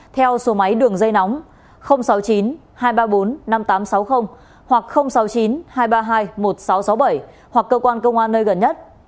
theo số máy đường dây nóng sáu mươi chín hai trăm ba mươi bốn năm nghìn tám trăm sáu mươi hoặc sáu mươi chín hai trăm ba mươi hai một nghìn sáu trăm sáu mươi bảy hoặc cơ quan công an nơi gần nhất